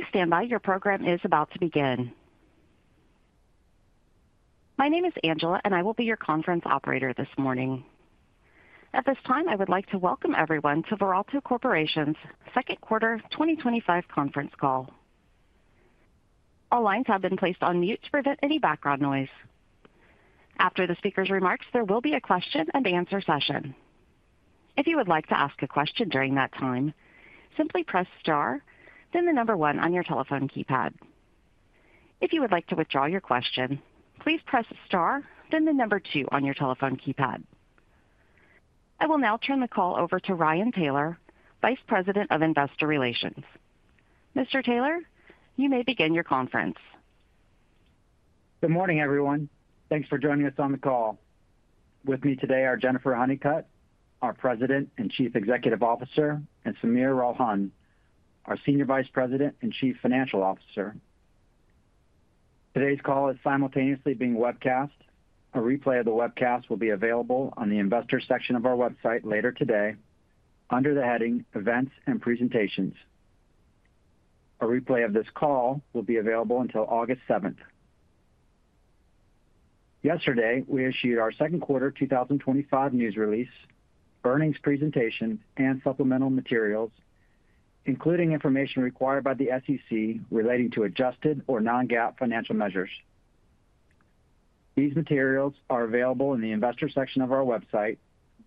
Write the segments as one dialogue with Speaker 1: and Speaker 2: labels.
Speaker 1: Please stand by; your program is about to begin. My name is Angela, and I will be your conference operator this morning. At this time, I would like to welcome everyone to Veralto Corporation's second quarter 2025 conference call. All lines have been placed on mute to prevent any background noise. After the speaker's remarks, there will be a question-and-answer session. If you would like to ask a question during that time, simply press star, then the number one on your telephone keypad. If you would like to withdraw your question, please press star, then the number two on your telephone keypad. I will now turn the call over to Ryan Taylor, Vice President of Investor Relations. Mr. Taylor, you may begin your conference.
Speaker 2: Good morning, everyone. Thanks for joining us on the call. With me today are Jennifer Honeycutt, our President and Chief Executive Officer, and Sameer Ralhan, our Senior Vice President and Chief Financial Officer. Today's call is simultaneously being webcast. A replay of the webcast will be available on the Investor section of our website later today under the heading "Events and Presentations." A replay of this call will be available until August 7. Yesterday, we issued our second quarter 2025 news release, earnings presentation, and supplemental materials, including information required by the SEC relating to adjusted or non-GAAP financial measures. These materials are available in the Investor section of our website,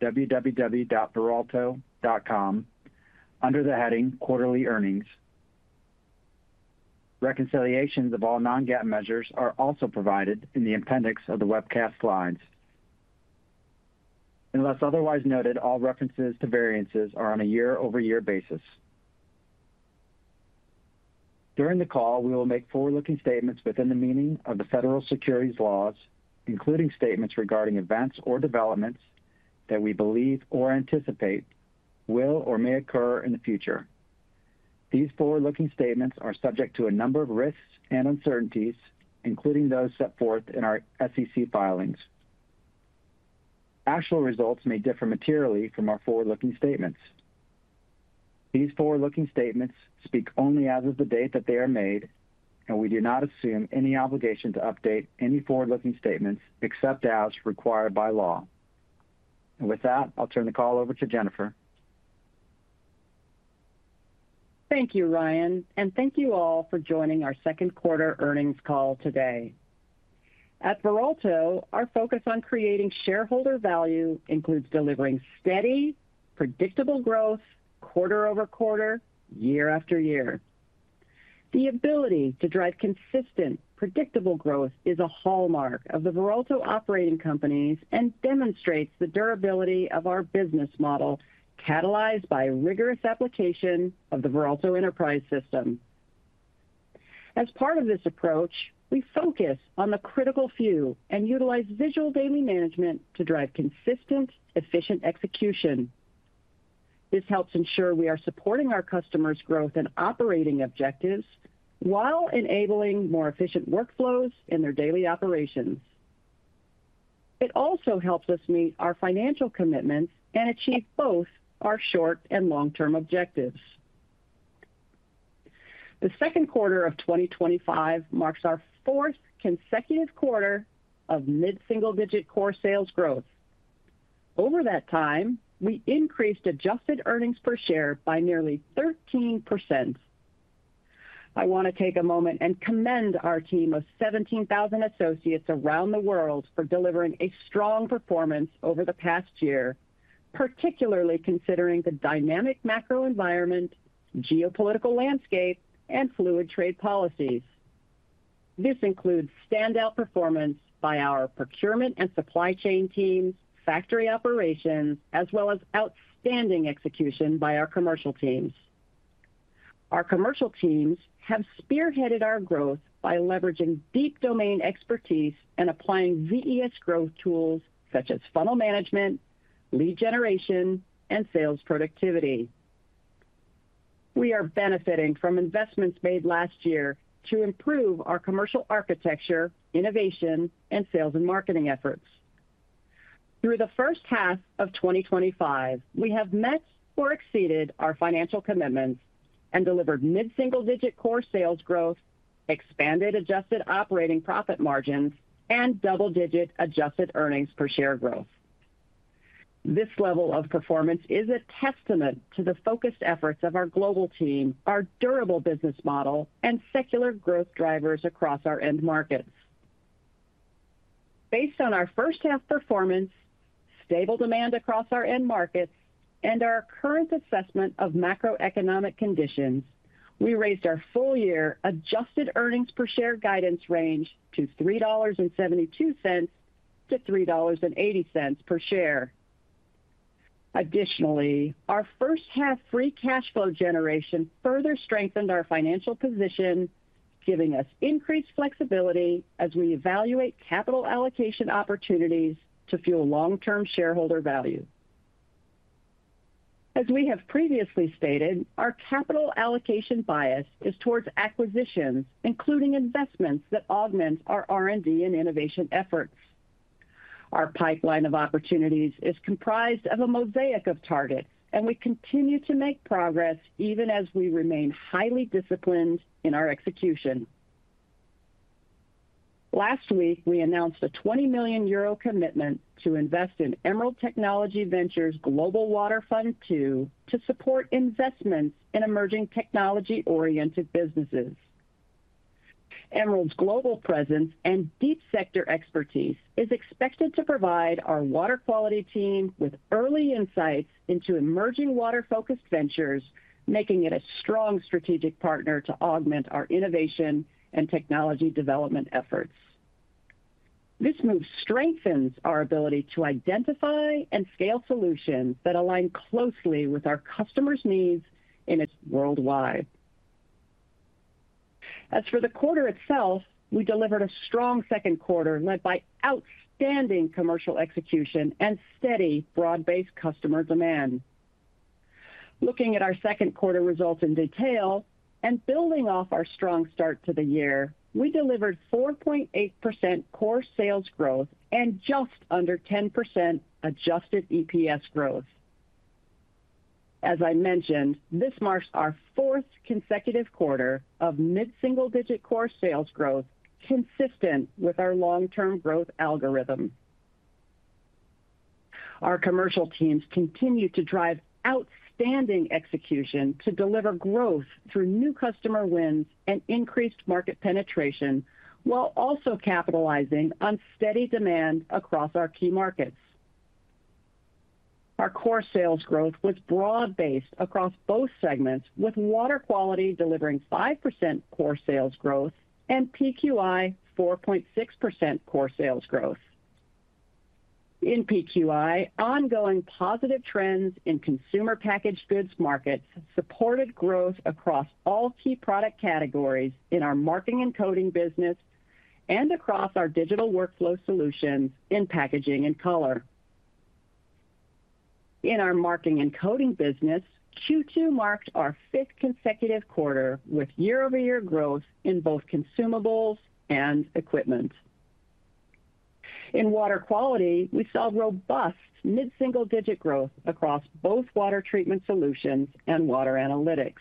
Speaker 2: www.veralto.com, under the heading "Quarterly Earnings." Reconciliations of all non-GAAP measures are also provided in the appendix of the webcast slides. Unless otherwise noted, all references to variances are on a year-over-year basis. During the call, we will make forward-looking statements within the meaning of the federal securities laws, including statements regarding events or developments that we believe or anticipate will or may occur in the future. These forward-looking statements are subject to a number of risks and uncertainties, including those set forth in our SEC filings. Actual results may differ materially from our forward-looking statements. These forward-looking statements speak only as of the date that they are made, and we do not assume any obligation to update any forward-looking statements except as required by law. With that, I'll turn the call over to Jennifer.
Speaker 3: Thank you, Ryan, and thank you all for joining our second quarter earnings call today. At Veralto, our focus on creating shareholder value includes delivering steady, predictable growth quarter over quarter, year after year. The ability to drive consistent, predictable growth is a hallmark of the Veralto operating companies and demonstrates the durability of our business model catalyzed by rigorous application of the Veralto Enterprise System. As part of this approach, we focus on the critical few and utilize visual daily management to drive consistent, efficient execution. This helps ensure we are supporting our customers' growth and operating objectives while enabling more efficient workflows in their daily operations. It also helps us meet our financial commitments and achieve both our short and long-term objectives. The second quarter of 2025 marks our fourth consecutive quarter of mid-single-digit core sales growth. Over that time, we increased adjusted earnings per share by nearly 13%. I want to take a moment and commend our team of 17,000 associates around the world for delivering a strong performance over the past year, particularly considering the dynamic macro environment, geopolitical landscape, and fluid trade policies. This includes standout performance by our procurement and supply chain teams, factory operations, as well as outstanding execution by our commercial teams. Our commercial teams have spearheaded our growth by leveraging deep domain expertise and applying VES growth tools such as funnel management, lead generation, and sales productivity. We are benefiting from investments made last year to improve our commercial architecture, innovation, and sales and marketing efforts. Through the first half of 2025, we have met or exceeded our financial commitments and delivered mid-single-digit core sales growth, expanded adjusted operating profit margins, and double-digit adjusted earnings per share growth. This level of performance is a testament to the focused efforts of our global team, our durable business model, and secular growth drivers across our end markets. Based on our first-half performance, stable demand across our end markets, and our current assessment of macroeconomic conditions, we raised our full-year adjusted earnings per share guidance range to $3.72-$3.80 per share. Additionally, our first-half free cash flow generation further strengthened our financial position. Giving us increased flexibility as we evaluate capital allocation opportunities to fuel long-term shareholder value. As we have previously stated, our capital allocation bias is towards acquisitions, including investments that augment our R&D and innovation efforts. Our pipeline of opportunities is comprised of a mosaic of targets, and we continue to make progress even as we remain highly disciplined in our execution. Last week, we announced a 20 million euro commitment to invest in Emerald Technology Ventures' Global Water Fund II to support investments in emerging technology-oriented businesses. Emerald's global presence and deep sector expertise is expected to provide our water quality team with early insights into emerging water-focused ventures, making it a strong strategic partner to augment our innovation and technology development efforts. This move strengthens our ability to identify and scale solutions that align closely with our customers' needs in. Worldwide. As for the quarter itself, we delivered a strong second quarter led by outstanding commercial execution and steady broad-based customer demand. Looking at our second quarter results in detail and building off our strong start to the year, we delivered 4.8% core sales growth and just under 10% adjusted EPS growth. As I mentioned, this marks our fourth consecutive quarter of mid-single-digit core sales growth consistent with our long-term growth algorithm. Our commercial teams continue to drive outstanding execution to deliver growth through new customer wins and increased market penetration while also capitalizing on steady demand across our key markets. Our core sales growth was broad-based across both segments, with water quality delivering 5% core sales growth and PQI 4.6% core sales growth. In PQI, ongoing positive trends in consumer packaged goods markets supported growth across all key product categories in our marking and coding business. And across our digital workflow solutions in packaging and color. In our marking and coding business, Q2 marked our fifth consecutive quarter with year-over-year growth in both consumables and equipment. In water quality, we saw robust mid-single-digit growth across both water treatment solutions and water analytics.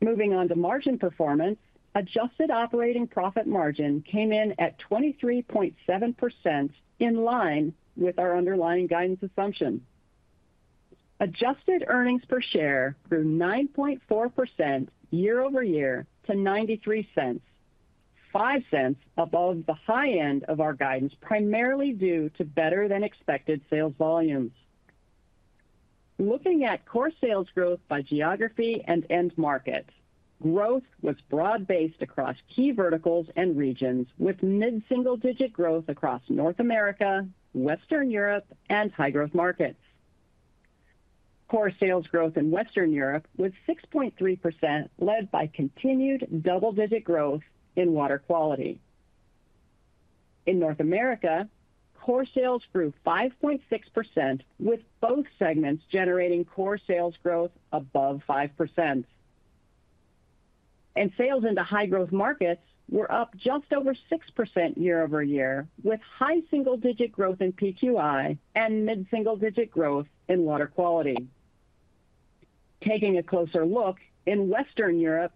Speaker 3: Moving on to margin performance, adjusted operating profit margin came in at 23.7% in line with our underlying guidance assumption. Adjusted earnings per share grew 9.4% year-over-year to $0.93. $0.05 above the high end of our guidance, primarily due to better-than-expected sales volumes. Looking at core sales growth by geography and end market, growth was broad-based across key verticals and regions, with mid-single-digit growth across North America, Western Europe, and high-growth markets. Core sales growth in Western Europe was 6.3%, led by continued double-digit growth in water quality. In North America, core sales grew 5.6%, with both segments generating core sales growth above 5%. Sales into high-growth markets were up just over 6% year-over-year, with high single-digit growth in PQI and mid-single-digit growth in water quality. Taking a closer look, in Western Europe,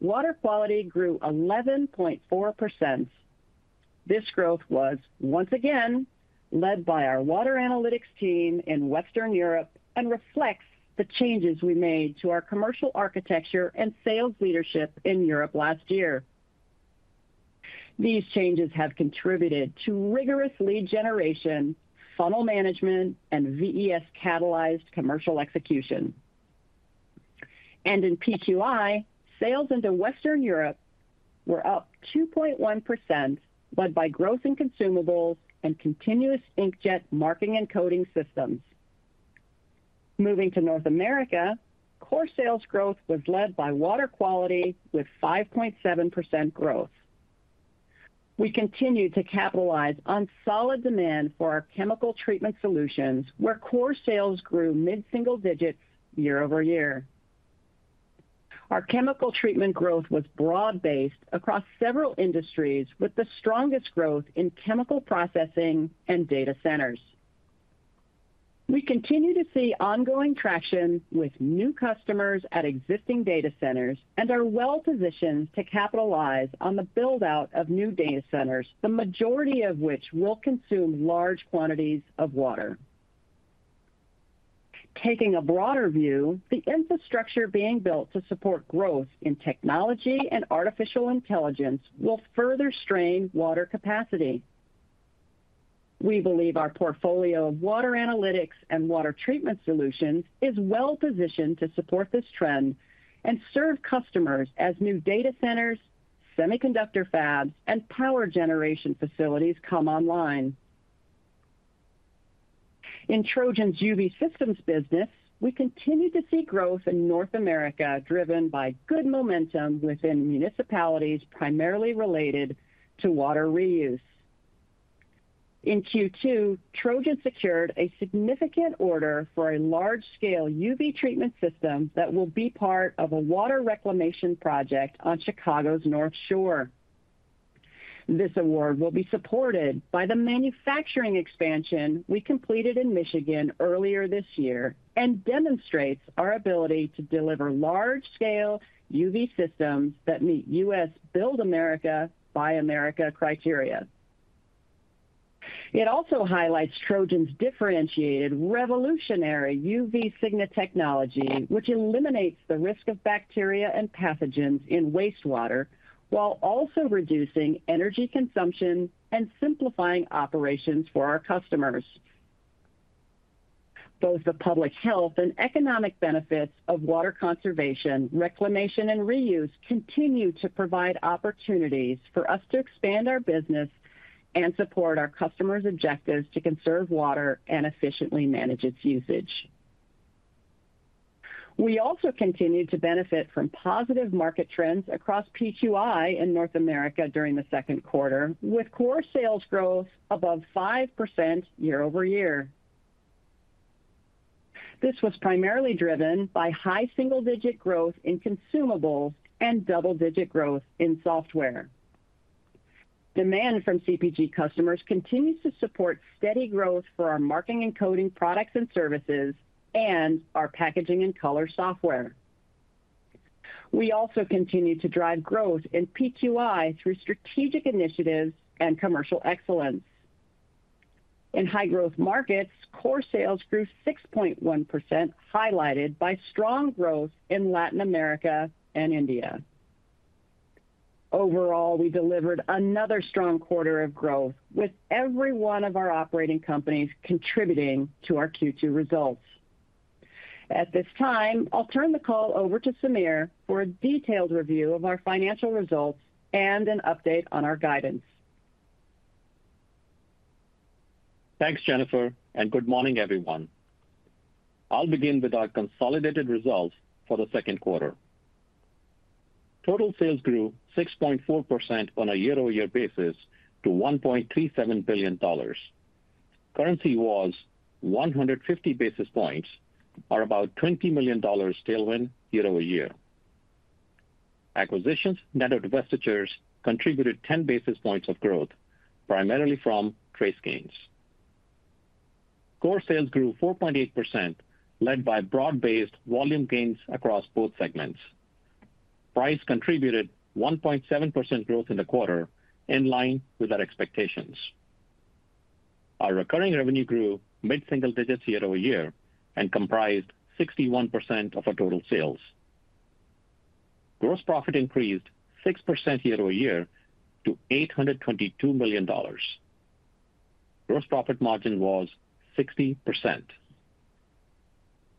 Speaker 3: water quality grew 11.4%. This growth was, once again, led by our water analytics team in Western Europe and reflects the changes we made to our commercial architecture and sales leadership in Europe last year. These changes have contributed to rigorous lead generation, funnel management, and VES-catalyzed commercial execution. In PQI, sales into Western Europe were up 2.1%, led by growth in consumables and continuous inkjet marking and coding systems. Moving to North America, core sales growth was led by water quality, with 5.7% growth. We continued to capitalize on solid demand for our chemical treatment solutions, where core sales grew mid-single digits year-over-year. Our chemical treatment growth was broad-based across several industries, with the strongest growth in chemical processing and data centers. We continue to see ongoing traction with new customers at existing data centers and are well-positioned to capitalize on the build-out of new data centers, the majority of which will consume large quantities of water. Taking a broader view, the infrastructure being built to support growth in technology and artificial intelligence will further strain water capacity. We believe our portfolio of water analytics and water treatment solutions is well-positioned to support this trend and serve customers as new data centers, semiconductor fabs, and power generation facilities come online. In TrojanUV Systems business, we continue to see growth in North America, driven by good momentum within municipalities, primarily related to water reuse. In Q2, TrojanUV secured a significant order for a large-scale UV treatment system that will be part of a water reclamation project on Chicago’s North Shore. This award will be supported by the manufacturing expansion we completed in Michigan earlier this year and demonstrates our ability to deliver large-scale UV systems that meet U.S. Build America, Buy America criteria. It also highlights Trojan's differentiated, revolutionary UV Signate technology, which eliminates the risk of bacteria and pathogens in wastewater while also reducing energy consumption and simplifying operations for our customers. Both the public health and economic benefits of water conservation, reclamation, and reuse continue to provide opportunities for us to expand our business. We support our customers' objectives to conserve water and efficiently manage its usage. We also continue to benefit from positive market trends across PQI in North America during the second quarter, with core sales growth above 5% year-over-year. This was primarily driven by high single-digit growth in consumables and double-digit growth in software. Demand from CPG customers continues to support steady growth for our marking and coding products and services and our packaging and color software. We also continue to drive growth in PQI through strategic initiatives and commercial excellence. In high-growth markets, core sales grew 6.1%, highlighted by strong growth in Latin America and India. Overall, we delivered another strong quarter of growth, with every one of our operating companies contributing to our Q2 results. At this time, I'll turn the call over to Sameer for a detailed review of our financial results and an update on our guidance.
Speaker 4: Thanks, Jennifer, and good morning, everyone. I'll begin with our consolidated results for the second quarter. Total sales grew 6.4% on a year-over-year basis to $1.37 billion. Currency was 150 basis points, or about $20 million tailwind year-over-year. Acquisitions and divestitures contributed 10 basis points of growth, primarily from TraceGains. Core sales grew 4.8%, led by broad-based volume gains across both segments. Price contributed 1.7% growth in the quarter, in line with our expectations. Our recurring revenue grew mid-single digits year-over-year and comprised 61% of our total sales. Gross profit increased 6% year-over-year to $822 million. Gross profit margin was 60%.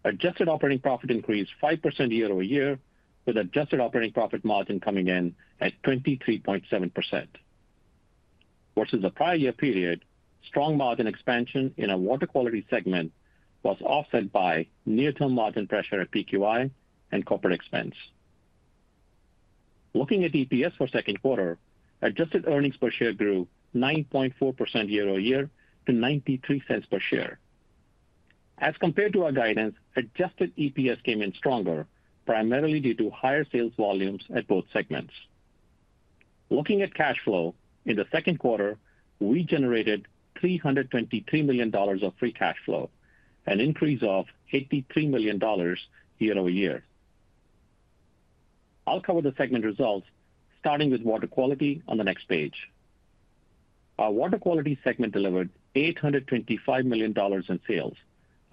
Speaker 4: Adjusted operating profit increased 5% year-over-year, with adjusted operating profit margin coming in at 23.7%. Versus the prior year period, strong margin expansion in our water quality segment was offset by near-term margin pressure at PQI and corporate expense. Looking at EPS for the second quarter, adjusted earnings per share grew 9.4% year-over-year to $0.93 per share. As compared to our guidance, adjusted EPS came in stronger, primarily due to higher sales volumes at both segments. Looking at cash flow, in the second quarter, we generated $323 million of free cash flow, an increase of $83 million year-over-year. I'll cover the segment results, starting with water quality on the next page. Our water quality segment delivered $825 million in sales,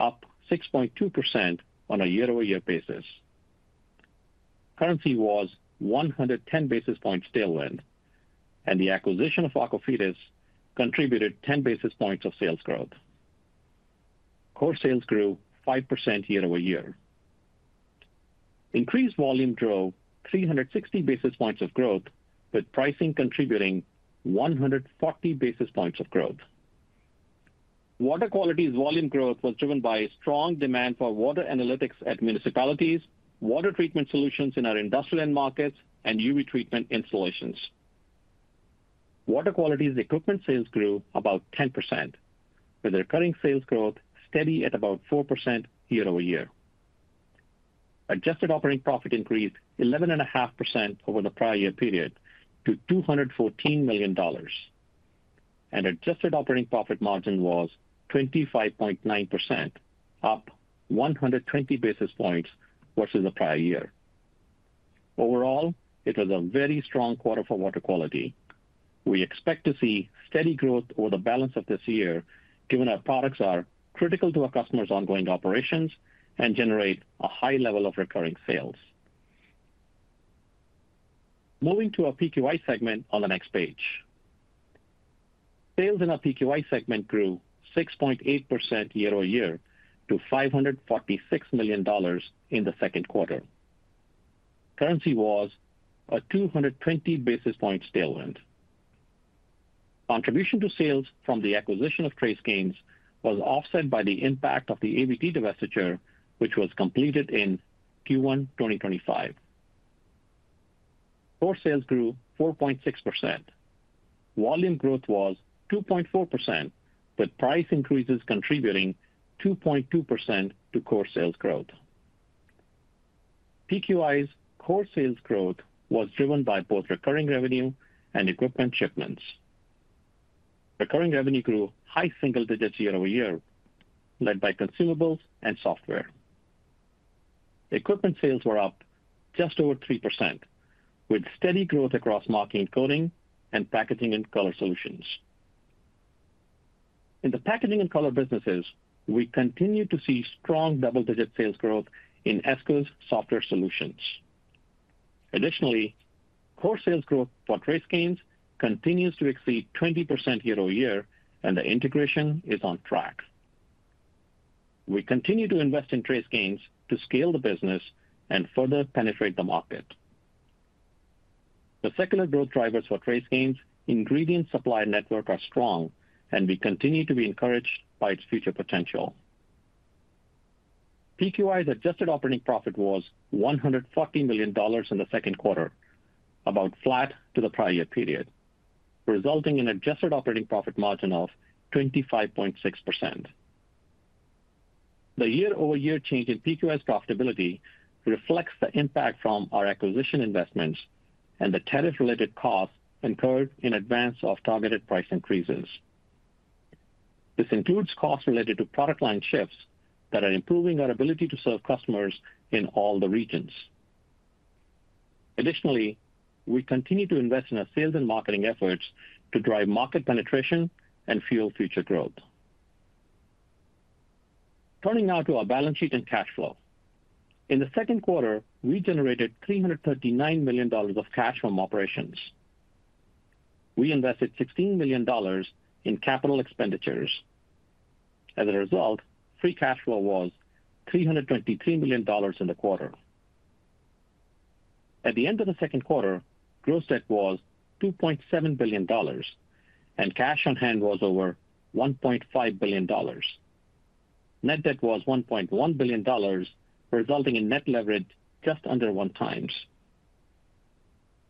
Speaker 4: up 6.2% on a year-over-year basis. Currency was 110 basis points tailwind, and the acquisition of AquaFides contributed 10 basis points of sales growth. Core sales grew 5% year-over-year. Increased volume drove 360 basis points of growth, with pricing contributing 140 basis points of growth. Water quality's volume growth was driven by strong demand for water analytics at municipalities, water treatment solutions in our industrial end markets, and UV treatment installations. Water quality's equipment sales grew about 10%, with recurring sales growth steady at about 4% year-over-year. Adjusted operating profit increased 11.5% over the prior year period to $214 million, and adjusted operating profit margin was 25.9%, up 120 basis points versus the prior year. Overall, it was a very strong quarter for water quality. We expect to see steady growth over the balance of this year, given our products are critical to our customers' ongoing operations and generate a high level of recurring sales. Moving to our PQI segment on the next page. Sales in our PQI segment grew 6.8% year-over-year to $546 million in the second quarter. Currency was a 220 basis points tailwind. Contribution to sales from the acquisition of TraceGains was offset by the impact of the AVT divestiture, which was completed in Q1 2025. Core sales grew 4.6%. Volume growth was 2.4%, with price increases contributing 2.2% to core sales growth. PQI's core sales growth was driven by both recurring revenue and equipment shipments. Recurring revenue grew high single digits year-over-year, led by consumables and software. Equipment sales were up just over 3%, with steady growth across marking and coding and packaging and color solutions. In the packaging and color businesses, we continue to see strong double-digit sales growth in Esko software solutions. Additionally, core sales growth for TraceGains continues to exceed 20% year-over-year, and the integration is on track. We continue to invest in TraceGains to scale the business and further penetrate the market. The secular growth drivers for TraceGains ingredient supply network are strong, and we continue to be encouraged by its future potential. PQI's adjusted operating profit was $140 million in the second quarter, about flat to the prior year period, resulting in adjusted operating profit margin of 25.6%. The year-over-year change in PQI's profitability reflects the impact from our acquisition investments and the tariff-related costs incurred in advance of targeted price increases. This includes costs related to product line shifts that are improving our ability to serve customers in all the regions. Additionally, we continue to invest in our sales and marketing efforts to drive market penetration and fuel future growth. Turning now to our balance sheet and cash flow. In the second quarter, we generated $339 million of cash from operations. We invested $16 million in capital expenditures. As a result, free cash flow was $323 million in the quarter. At the end of the second quarter, gross debt was $2.7 billion and cash on hand was over $1.5 billion. Net debt was $1.1 billion, resulting in net leverage just under one times.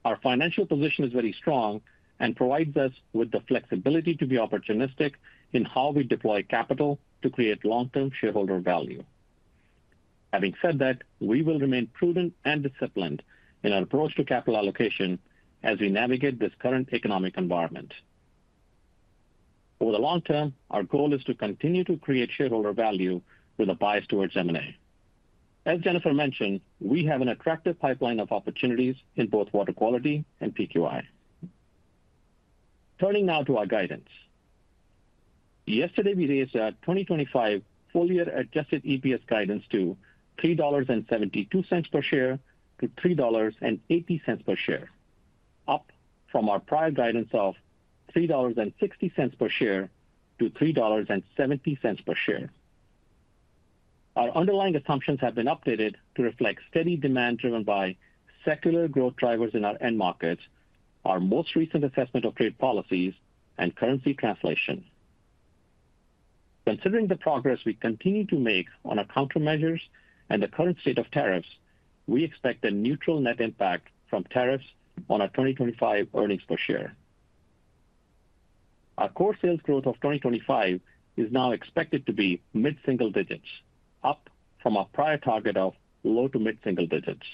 Speaker 4: Our financial position is very strong and provides us with the flexibility to be opportunistic in how we deploy capital to create long-term shareholder value. Having said that, we will remain prudent and disciplined in our approach to capital allocation as we navigate this current economic environment. Over the long term, our goal is to continue to create shareholder value with a bias towards M&A. As Jennifer mentioned, we have an attractive pipeline of opportunities in both water quality and PQI. Turning now to our guidance. Yesterday, we raised our 2025 full-year adjusted EPS guidance to $3.72 per share-$3.80 per share, up from our prior guidance of $3.60 per share to $3.70 per share. Our underlying assumptions have been updated to reflect steady demand driven by secular growth drivers in our end markets, our most recent assessment of trade policies, and currency translation. Considering the progress we continue to make on our countermeasures and the current state of tariffs, we expect a neutral net impact from tariffs on our 2025 earnings per share. Our core sales growth of 2025 is now expected to be mid-single digits, up from our prior target of low to mid-single digits.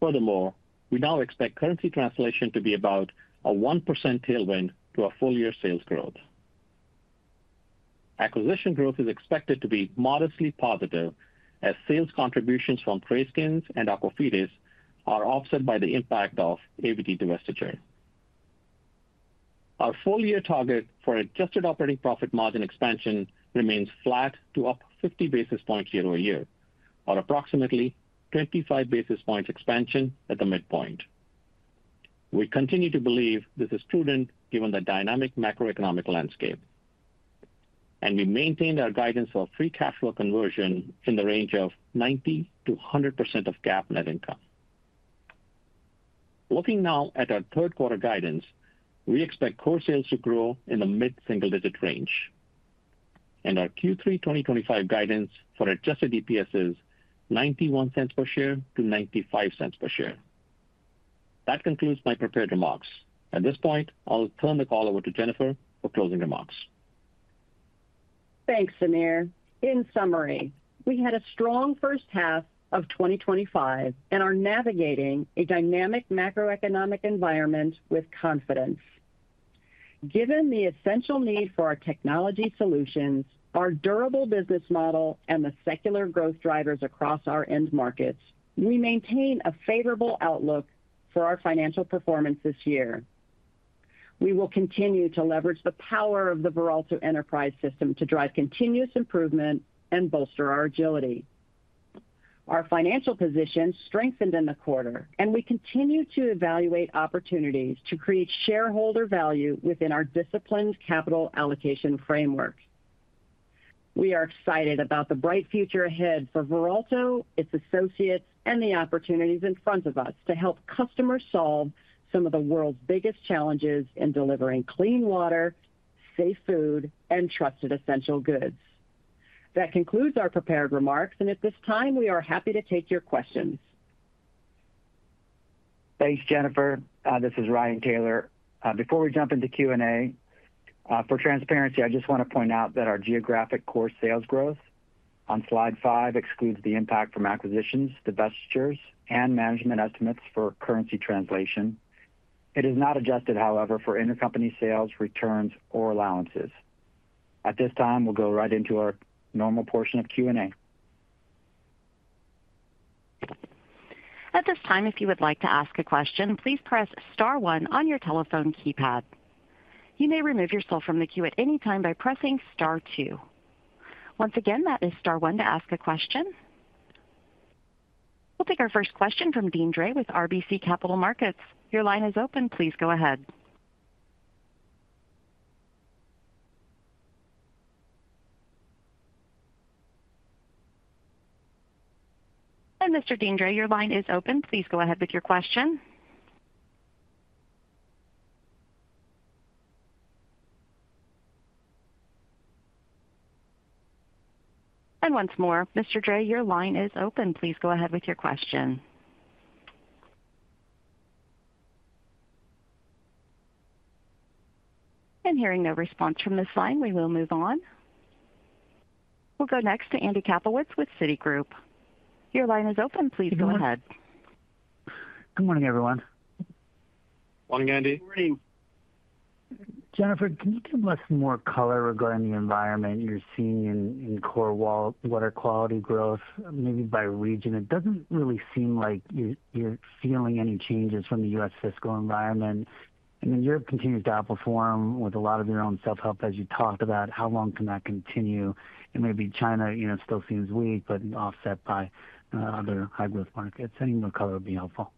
Speaker 4: Furthermore, we now expect currency translation to be about a 1% tailwind to our full-year sales growth. Acquisition growth is expected to be modestly positive as sales contributions from TraceGains and AquaFides are offset by the impact of AVT divestiture. Our full-year target for adjusted operating profit margin expansion remains flat to up 50 basis points year-over-year, or approximately 25 basis points expansion at the midpoint. We continue to believe this is prudent given the dynamic macroeconomic landscape. We maintained our guidance of free cash flow conversion in the range of 90%-100% of GAAP net income. Looking now at our third quarter guidance, we expect core sales to grow in the mid-single digit range. Our Q3 2025 guidance for adjusted EPS is $0.91 per share to $0.95 per share. That concludes my prepared remarks. At this point, I'll turn the call over to Jennifer for closing remarks.
Speaker 3: Thanks, Sameer. In summary, we had a strong first half of 2025 and are navigating a dynamic macroeconomic environment with confidence. Given the essential need for our technology solutions, our durable business model, and the secular growth drivers across our end markets, we maintain a favorable outlook for our financial performance this year. We will continue to leverage the power of the Veralto Enterprise System to drive continuous improvement and bolster our agility. Our financial position strengthened in the quarter, and we continue to evaluate opportunities to create shareholder value within our disciplined capital allocation framework. We are excited about the bright future ahead for Veralto, its associates, and the opportunities in front of us to help customers solve some of the world's biggest challenges in delivering clean water, safe food, and trusted essential goods. That concludes our prepared remarks, and at this time, we are happy to take your questions.
Speaker 2: Thanks, Jennifer. This is Ryan Taylor. Before we jump into Q&A, for transparency, I just want to point out that our geographic core sales growth on slide five excludes the impact from acquisitions, divestitures, and management estimates for currency translation. It is not adjusted, however, for intercompany sales, returns, or allowances. At this time, we'll go right into our normal portion of Q&A.
Speaker 1: At this time, if you would like to ask a question, please press star one on your telephone keypad. You may remove yourself from the queue at any time by pressing star two. Once again, that is star 1 to ak a question. We'll take our first question from Deane Dray with RBC Capital Markets. Your line is open. Please go ahead. And Mr. Dray, your line is open. Please go ahead with your question. And once more, Mr. Dray, your line is open. Please go ahead with your question. Hearing no response from this line, we will move on. We'll go next to Andy Kaplowitz with Citigroup. Your line is open. Please go ahead.
Speaker 5: Good morning, everyone.
Speaker 4: Morning, Andy.
Speaker 5: Morning. Jennifer, can you give us more color regarding the environment you're seeing in core water quality growth, maybe by region? It doesn't really seem like you're feeling any changes from the U.S. fiscal environment. Europe continues to outperform with a lot of your own self-help, as you talked about. How long can that continue? China still seems weak, but offset by other high-growth markets. Any more color would be helpful.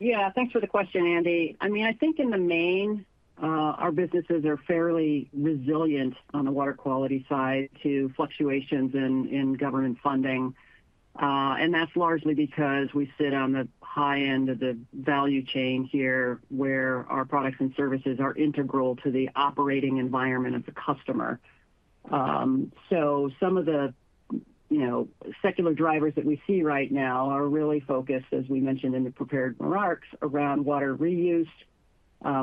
Speaker 5: Yeah, thanks for the question, Andy. I mean, I think in the main, our businesses are fairly resilient on the water quality side to fluctuations in government funding. That's largely because we sit on the high end of the value chain here, where our products and services are integral to the operating environment of the customer. Some of the secular drivers that we see right now are really focused, as we mentioned in the prepared remarks, around water reuse.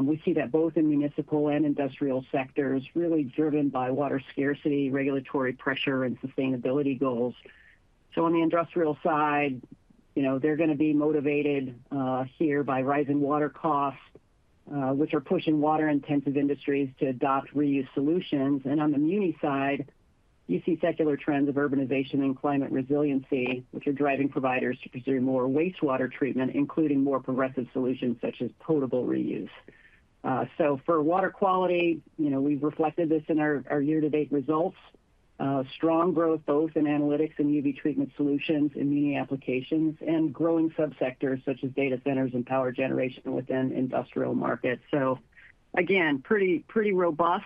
Speaker 5: We see that both in municipal and industrial sectors, really driven by water scarcity, regulatory pressure, and sustainability goals. On the industrial side, they're going to be motivated here by rising water costs, which are pushing water-intensive industries to adopt reuse solutions. On the muni side, you see secular trends of urbanization and climate resiliency, which are driving providers to pursue more wastewater treatment, including more progressive solutions such as potable reuse. For water quality, we've reflected this in our year-to-date results: strong growth both in analytics and UV treatment solutions in muni applications and growing subsectors such as data centers and power generation within industrial markets. Again, pretty robust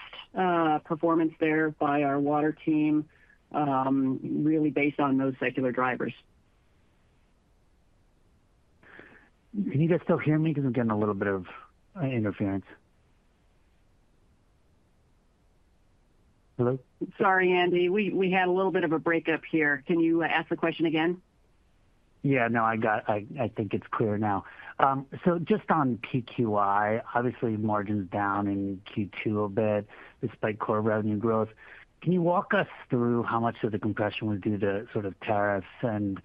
Speaker 5: performance there by our water team, really based on those secular drivers. Can you guys still hear me? Because I'm getting a little bit of interference. Hello? Sorry, Andy. We had a little bit of a breakup here. Can you ask the question again? Yeah, no, I think it's clear now. Just on PQI, obviously margins down in Q2 a bit despite core revenue growth. Can you walk us through how much of the compression we do to sort of tariffs and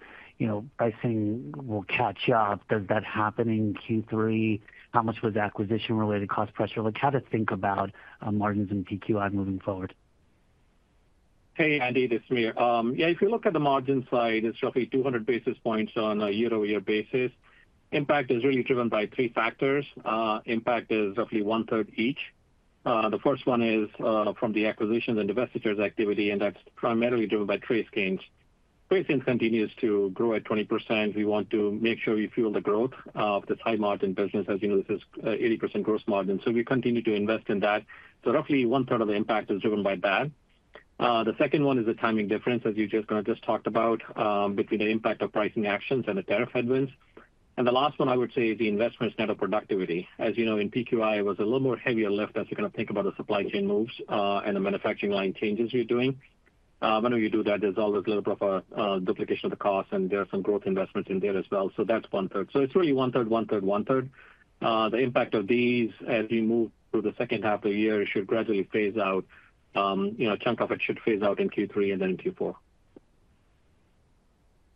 Speaker 5: pricing will catch up? Does that happen in Q3? How much was acquisition-related cost pressure? How to think about margins and PQI moving forward?
Speaker 4: Hey, Andy, this is Sameer. Yeah, if you look at the margin side, it's roughly 200 basis points on a year-over-year basis. Impact is really driven by three factors. Impact is roughly one-third each. The first one is from the acquisitions and divestitures activity, and that's primarily driven by TraceGains. TraceGains continue to grow at 20%. We want to make sure we fuel the growth of this high-margin business, as you know, this is an 80% gross margin. We continue to invest in that. So roughly one-third of the impact is driven by that. The second one is the timing difference, as you just kind of just talked about, between the impact of pricing actions and the tariff headwinds. The last one, I would say, is the investment net of productivity. As you know, in PQI, it was a little more heavier lift as you kind of think about the supply chain moves and the manufacturing line changes you're doing. Whenever you do that, there's always a little bit of a duplication of the cost, and there are some growth investments in there as well. So that's one-third. It's really one-third, one-third, one-third. The impact of these, as we move through the second half of the year, should gradually phase out. A chunk of it should phase out in Q3 and then in Q4.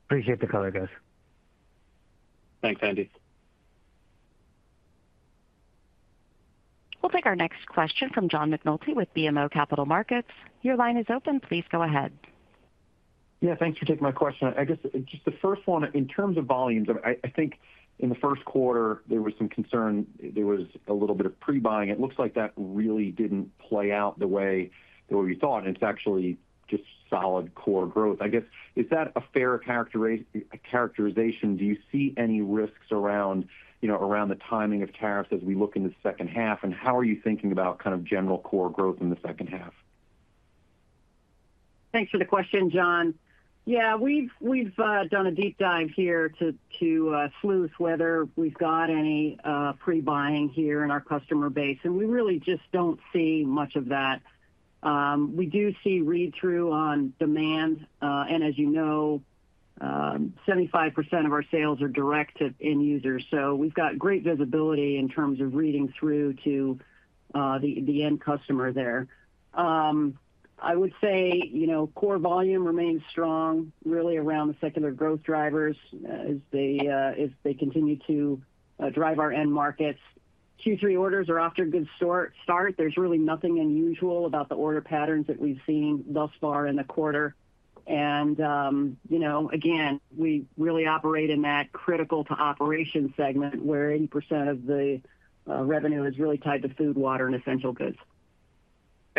Speaker 5: Appreciate the color, guys.
Speaker 4: Thanks, Andy.
Speaker 1: We'll take our next question from John McNulty with BMO Capital Markets. Your line is open. Please go ahead.
Speaker 6: Yeah, thanks for taking my question. I guess just the first one, in terms of volumes, I think in the first quarter, there was some concern. There was a little bit of pre-buying. It looks like that really did not play out the way we thought. It's actually just solid core growth. I guess, is that a fair characterization. Do you see any risks around the timing of tariffs as we look into the second half? How are you thinking about kind of general core growth in the second half?
Speaker 3: Thanks for the question, John. Yeah, we've done a deep dive here to sleuth whether we've got any pre-buying here in our customer base. We really just do not see much of that. We do see read-through on demand. As you know, 75% of our sales are direct to end users, so we have great visibility in terms of reading through to the end customer there. I would say core volume remains strong, really around the secular growth drivers as they continue to drive our end markets. Q3 orders are off to a good start. There is really nothing unusual about the order patterns that we have seen thus far in the quarter. Again, we really operate in that critical-to-operation segment, where 80% of the revenue is really tied to food, water, and essential goods.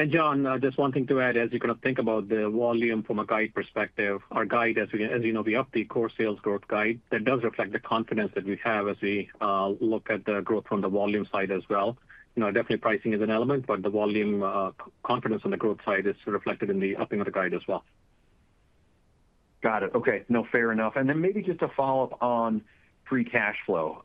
Speaker 4: John, just one thing to add, as you kind of think about the volume from a guide perspective, our guide, as you know, we update core sales growth guide. That does reflect the confidence that we have as we look at the growth from the volume side as well. Definitely, pricing is an element, but the volume confidence on the growth side is reflected in the upping of the guide as well.
Speaker 6: Got it. Okay. No, fair enough. Maybe just a follow-up on free cash flow.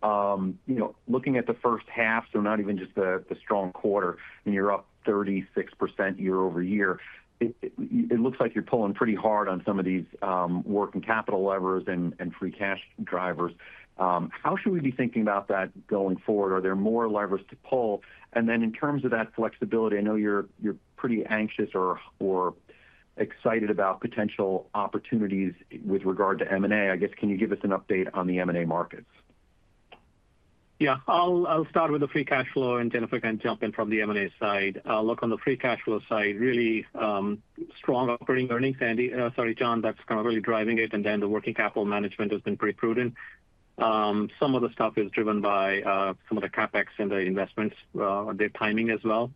Speaker 6: Looking at the first half, so not even just the strong quarter, and you are up 36% year-over-year. It looks like you are pulling pretty hard on some of these working capital levers and free cash drivers. How should we be thinking about that going forward? Are there more levers to pull? In terms of that flexibility, I know you are pretty anxious or excited about potential opportunities with regard to M&A. I guess, can you give us an update on the M&A markets?
Speaker 4: I will start with the free cash flow, and Jennifer can jump in from the M&A side. Look, on the free cash flow side, really strong operating earnings, Andy. Sorry, John, that is kind of really driving it. The working capital management has been pretty prudent. Some of the stuff is driven by some of the CapEx and the investments, their timing as well.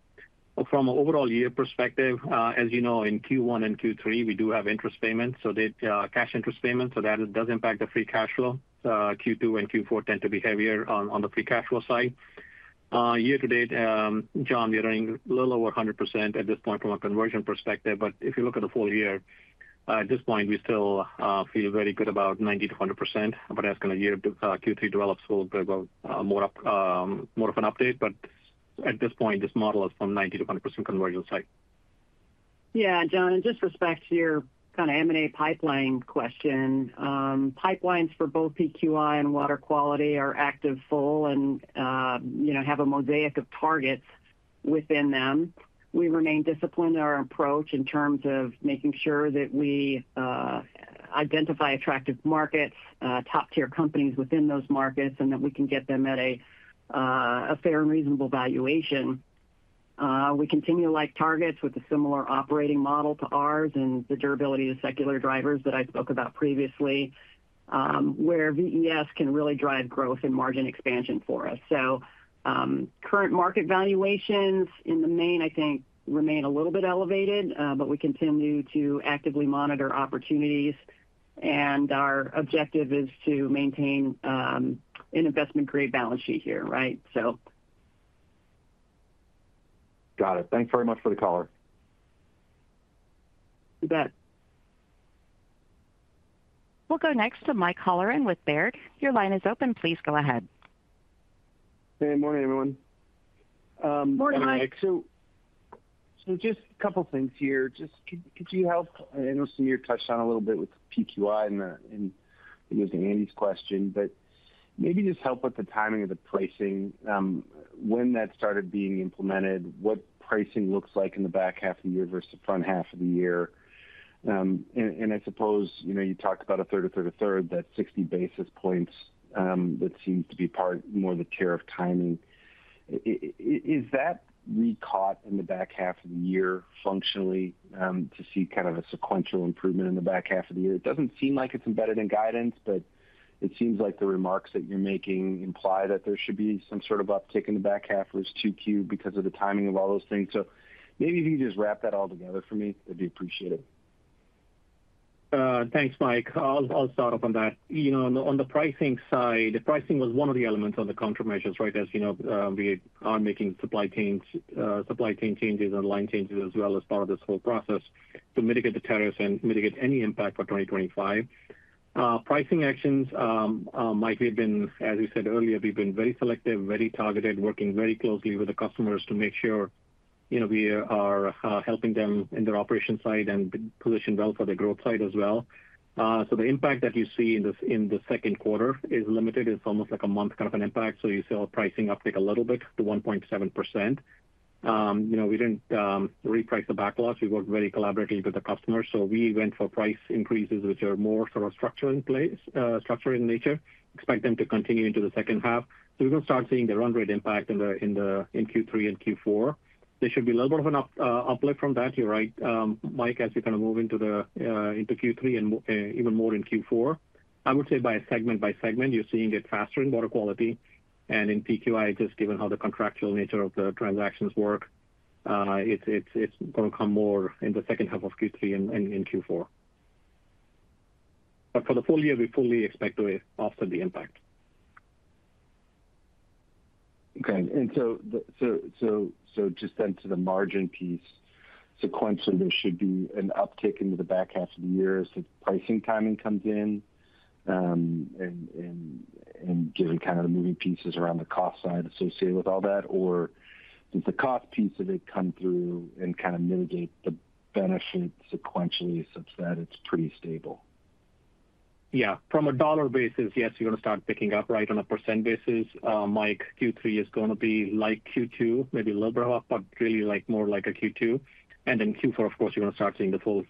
Speaker 4: From an overall year perspective, as you know, in Q1 and Q3, we do have interest payments, so cash interest payments. That does impact the free cash flow. Q2 and Q4 tend to be heavier on the free cash flow side. Year-to-date, John, we are earning a little over 100% at this point from a conversion perspective. If you look at the full year, at this point, we still feel very good about 90%-100%. As Q3 develops, we will get more of an update. At this point, this model is from 90%-100% conversion site. Yeah, John, in respect to your kind of M&A pipeline question. Pipelines for both PQI and water quality are active, full, and have a mosaic of targets within them.
Speaker 3: We remain disciplined in our approach in terms of making sure that we identify attractive markets, top-tier companies within those markets, and that we can get them at a fair and reasonable valuation. We continue to like targets with a similar operating model to ours and the durability of secular drivers that I spoke about previously, where VES can really drive growth and margin expansion for us. Current market valuations in the main, I think, remain a little bit elevated, but we continue to actively monitor opportunities. Our objective is to maintain an investment-grade balance sheet here, right?
Speaker 6: Got it. Thanks very much for the color.
Speaker 3: You bet.
Speaker 1: We'll go next to Mike Halloran with Baird. Your line is open. Please go ahead.
Speaker 7: Hey, morning, everyone.
Speaker 3: Morning, Mike.
Speaker 7: Just a couple of things here. Just could you help? I know Sameer touched on a little bit with PQI and Andy's question, but maybe just help with the timing of the pricing, when that started being implemented, what pricing looks like in the back half of the year versus the front half of the year. I suppose you talked about a third, a third, a third, that 60 basis points that seems to be part more of the tier of timing. Is that recaught in the back half of the year functionally to see kind of a sequential improvement in the back half of the year? It doesn't seem like it's embedded in guidance, but it seems like the remarks that you're making imply that there should be some sort of uptick in the back half versus Q2 because of the timing of all those things. Maybe if you could just wrap that all together for me, I'd be appreciative.
Speaker 4: Thanks, Mike. I'll start off on that. On the pricing side, pricing was one of the elements of the countermeasures, right? As you know, we are making supply chain changes and line changes as well as part of this whole process to mitigate the tariffs and mitigate any impact for 2025. Pricing actions, Mike, we've been, as we said earlier, we've been very selective, very targeted, working very closely with the customers to make sure we are helping them in their operation side and position well for the growth side as well. The impact that you see in the second quarter is limited. It's almost like a month kind of an impact. You saw a pricing uptick a little bit to 1.7%. We did not reprice the backlogs. We worked very collaboratively with the customers. We went for price increases, which are more sort of structural in nature. Expect them to continue into the second half. We are going to start seeing the run rate impact in Q3 and Q4. There should be a little bit of an uplift from that, you are right, Mike, as we kind of move into Q3 and even more in Q4. I would say by segment by segment, you are seeing it faster in water quality. And in PQI, just given how the contractual nature of the transactions work. It is going to come more in the second half of Q3 and in Q4. For the full year, we fully expect to offset the impact.
Speaker 7: Okay. Just then to the margin piece, sequentially, there should be an uptick into the back half of the year as the pricing timing comes in. Getting kind of the moving pieces around the cost side associated with all that. Or does the cost piece of it come through and kind of mitigate the benefits sequentially such that it is pretty stable?
Speaker 4: Yeah. From a dollar basis, yes, you are going to start picking up right on a percent basis. Mike, Q3 is going to be like Q2, maybe a little bit of a, but really more like a Q2. Then Q4, of course, you are going to start seeing the full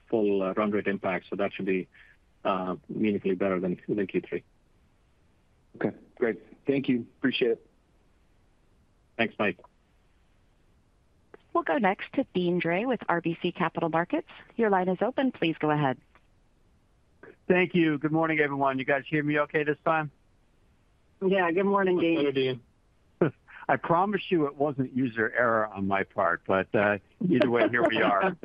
Speaker 4: run rate impact. That should be meaningfully better than Q3. Okay. Great.
Speaker 7: Thank you. Appreciate it.
Speaker 4: Thanks, Mike.
Speaker 1: We will go next to Deane Dray with RBC Capital Markets. Your line is open. Please go ahead. Thank you. Good morning, everyone.
Speaker 8: You guys hear me okay this time?
Speaker 3: Yeah. Good morning, Deane.
Speaker 4: Hello, Deane.
Speaker 8: I promise you it was not user error on my part, but either way, here we are.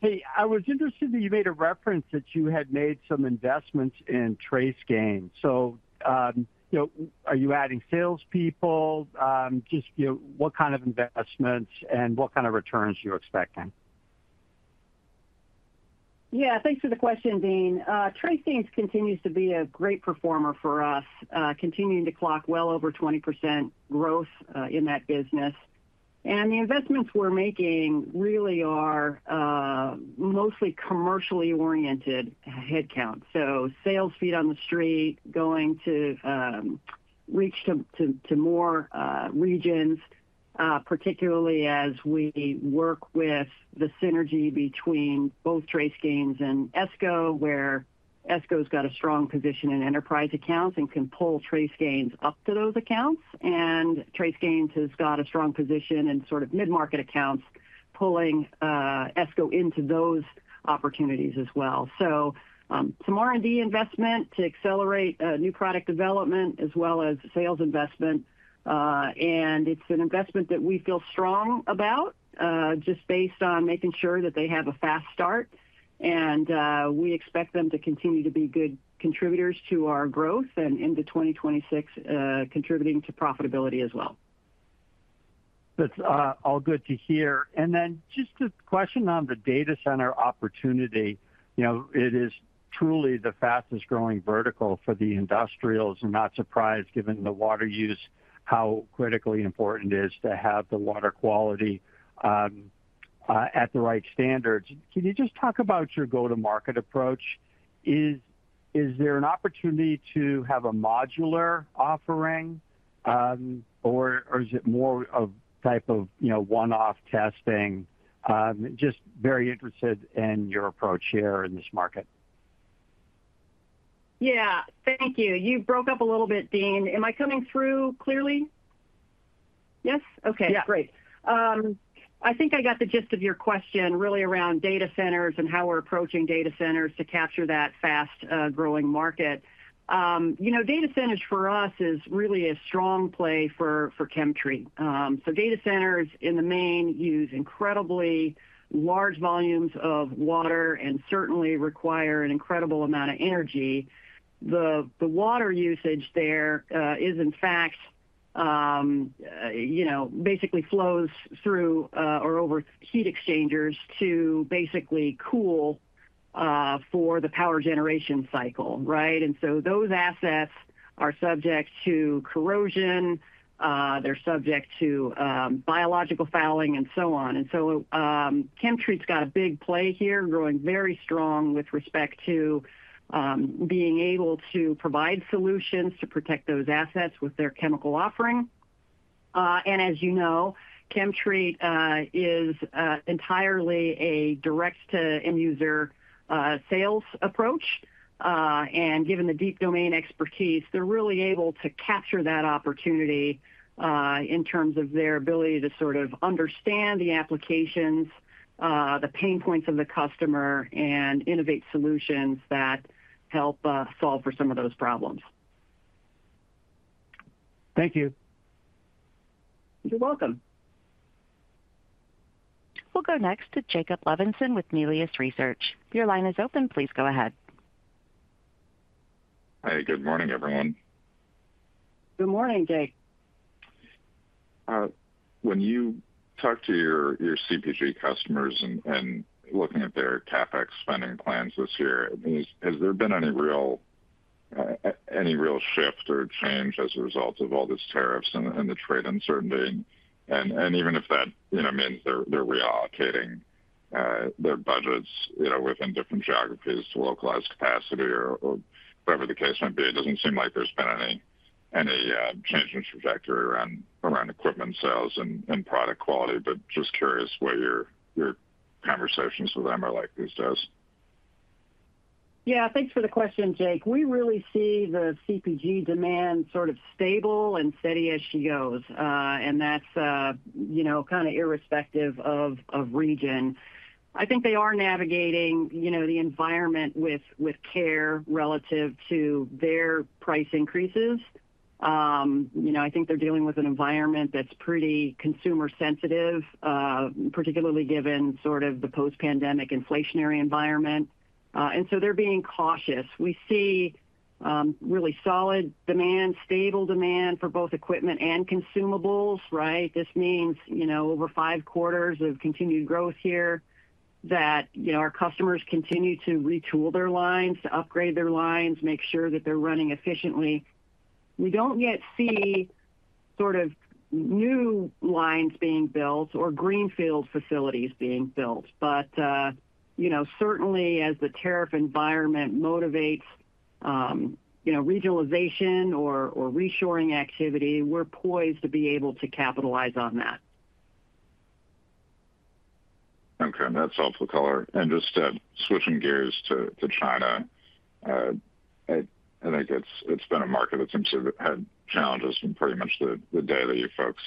Speaker 8: Hey, I was interested that you made a reference that you had made some investments in TraceGains. Are you adding salespeople? Just what kind of investments and what kind of returns are you expecting?
Speaker 3: Yeah. Thanks for the question, Deane. TraceGains continues to be a great performer for us, continuing to clock well over 20% growth in that business. The investments we are making really are mostly commercially oriented headcount. Sales feet on the street, going to reach to more regions, particularly as we work with the synergy between both TraceGains and Esko, where Esko has got a strong position in enterprise accounts and can pull TraceGains up to those accounts. TraceGains has got a strong position in sort of mid-market accounts, pulling Esko into those opportunities as well. Some R&D investment to accelerate new product development as well as sales investment. It is an investment that we feel strong about, just based on making sure that they have a fast start. We expect them to continue to be good contributors to our growth and into 2026, contributing to profitability as well.
Speaker 8: That is all good to hear. Just a question on the data center opportunity. It is truly the fastest growing vertical for the industrials. I am not surprised, given the water use, how critically important it is to have the water quality at the right standards. Can you just talk about your go-to-market approach? Is there an opportunity to have a modular offering, or is it more of a type of one-off testing? I am just very interested in your approach here in this market.
Speaker 3: Yeah. Thank you. You broke up a little bit, Deane. Am I coming through clearly? Yes? Okay. Great. I think I got the gist of your question really around data centers and how we are approaching data centers to capture that fast-growing market. Data centers for us is really a strong play for ChemTreat. Data centers in the main use incredibly large volumes of water and certainly require an incredible amount of energy. The water usage there is, in fact, basically flows through or over heat exchangers to basically cool for the power generation cycle, right? Those assets are subject to corrosion, they are subject to biological fouling, and so on. ChemTreat's got a big play here, growing very strong with respect to being able to provide solutions to protect those assets with their chemical offering. As you know, ChemTreat is entirely a direct-to-end-user sales approach, and given the deep domain expertise, they are really able to capture that opportunity in terms of their ability to sort of understand the applications, the pain points of the customer, and innovate solutions that help solve for some of those problems.
Speaker 8: Thank you.
Speaker 3: You are welcome.
Speaker 1: We will go next to Jacob Levinson with Melius Research. Your line is open. Please go ahead.
Speaker 9: Hi. Good morning, everyone.
Speaker 3: Good morning, Jake.
Speaker 9: When you talk to your CPG customers and looking at their CapEx spending plans this year, has there been any real shift or change as a result of all these tariffs and the trade uncertainty? Even if that means they are reallocating their budgets within different geographies to localize capacity or whatever the case might be, it does not seem like there has been any. Change in trajectory around equipment sales and product quality. Just curious what your conversations with them are like these days.
Speaker 3: Yeah. Thanks for the question, Jake. We really see the CPG demand sort of stable and steady as she goes. That is kind of irrespective of region. I think they are navigating the environment with care relative to their price increases. I think they are dealing with an environment that is pretty consumer-sensitive, particularly given sort of the post-pandemic inflationary environment. They are being cautious. We see really solid demand, stable demand for both equipment and consumables, right? This means over five quarters of continued growth here that our customers continue to retool their lines, to upgrade their lines, make sure that they are running efficiently. We do not yet see sort of new lines being built or greenfield facilities being built. Certainly, as the tariff environment motivates regionalization or reshoring activity, we are poised to be able to capitalize on that.
Speaker 9: Okay. That is helpful, Color. Just switching gears to China. I think it has been a market that seems to have had challenges from pretty much the day that you folks